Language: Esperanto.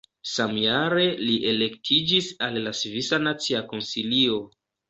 Samjare li elektiĝis al la Svisa Nacia Konsilio.